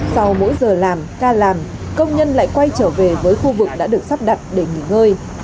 sau mỗi giờ làm ca làm công nhân lại quay trở về với khu vực đã được sắp đặt để nghỉ ngơi